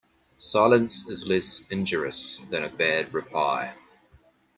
Silence is less injurious than a bad reply.